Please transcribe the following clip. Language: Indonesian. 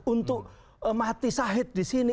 untuk mati sahid di sini